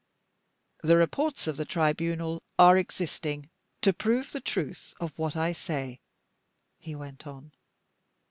"The reports of the Tribunal are existing to prove the truth of what I say," he went on.